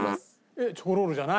チョコロールじゃない。